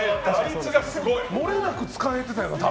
もれなく使えてたよ。